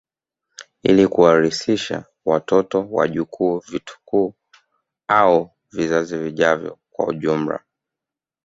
Ili kuwarithisha watoto wajukuu vitukuu au vizazi vijavyo kwa ujumla